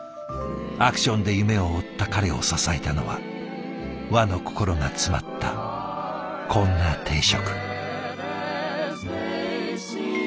アクションで夢を追った彼を支えたのは和の心が詰まったこんな定食。